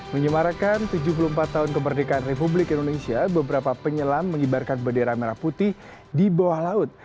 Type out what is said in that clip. menyemarakan tujuh puluh empat tahun kemerdekaan republik indonesia beberapa penyelam mengibarkan bendera merah putih di bawah laut